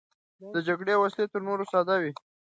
د جګړې وسلې تر نورو ساده وې.